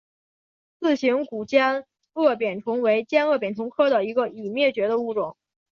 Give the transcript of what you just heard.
似形古尖腭扁虫为尖腭扁虫科中一个已灭绝的物种。